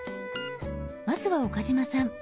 まずは岡嶋さん